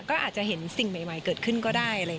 ก็อาจจะเห็นสิ่งใหม่เกิดขึ้นก็ได้